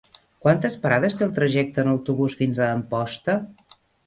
Quantes parades té el trajecte en autobús fins a Amposta?